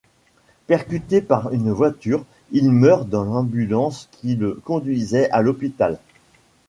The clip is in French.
Percuté par une voiture, il meurt dans l'ambulance qui le conduisait à l'hôpital.